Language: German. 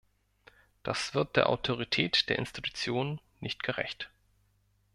Das wird der Autorität der Institutionen nicht gerecht.